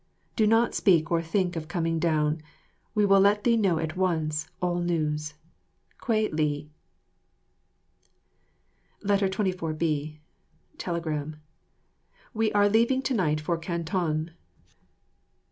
Do not speak or think of coming down. We will let thee know at once all news. Kwei li 24,b. [ Telegram_] We are leaving to night for Canton.